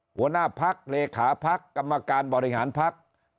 หัวหน้าพักเลขาพักกรรมการบริหารพัก